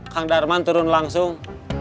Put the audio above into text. kang darman turun langsung